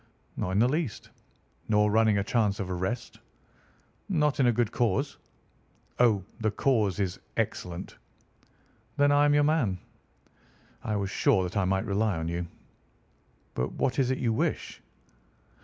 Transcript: "Not in the least." "Nor running a chance of arrest?" "Not in a good cause." "Oh, the cause is excellent!" "Then I am your man." "I was sure that I might rely on you." "But what is it you wish?"